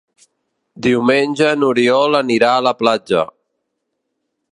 Diumenge n'Oriol anirà a la platja.